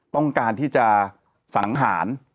ต้องการที่จะสังหาร